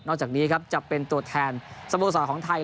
นอกจากนี้ครับจะเป็นตัวแทนสมุทรศาสตร์ของไทย